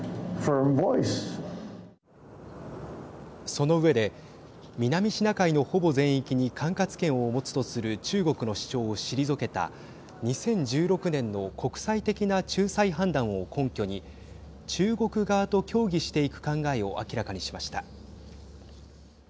その上で南シナ海のほぼ全域に管轄権を持つとする中国の主張を退けた２０１６年の国際的な仲裁判断を根拠に中国側と協議していく考えを明らかにしました。